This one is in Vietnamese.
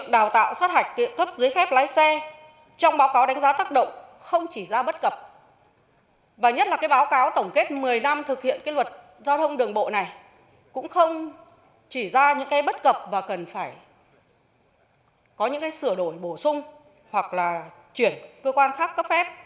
đào tạo sát hạch và việc này liên quan rất lớn đến hơn hai công chức viên chức